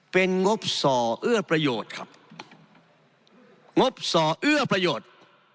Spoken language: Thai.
เป็นงบส่อเอื้อประโยชน์ครับงบส่อเอื้อประโยชน์